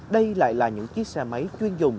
đây lại là những chiếc xe máy chuyên dùng